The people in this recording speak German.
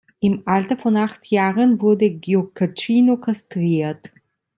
Im Alter von acht Jahren wurde Gioacchino kastriert.